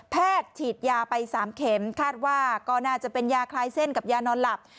ฉีดยาไป๓เข็มคาดว่าก็น่าจะเป็นยาคลายเส้นกับยานอนหลับ